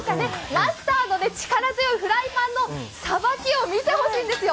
マスターの力強いフライパンのさばきを見てほしいんですよ。